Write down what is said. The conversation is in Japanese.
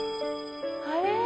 あれ？